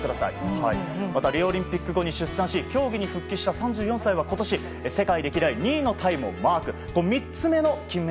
リオオリンピック後に出産し競技に復帰した選手は今年世界歴代２位のタイムをマーク。